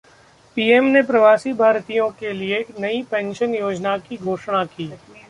PM ने प्रवासी भारतीयों के लिए नयी पेंशन योजना की घोषणा की